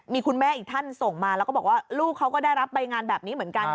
มีคุณแม่อีกท่านส่งมาแล้วก็บอกว่าลูกเขาก็ได้รับใบงานแบบนี้เหมือนกัน